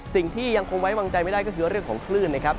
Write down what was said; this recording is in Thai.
สิ่งที่ยังคงไว้วางใจไม่ได้ก็คือเรื่องของคลื่นนะครับ